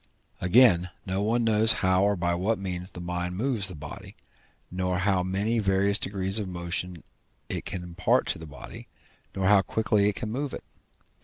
Again, no one knows how or by what means the mind moves the body, nor how many various degrees of motion it can impart to the body, nor how quickly it can move it.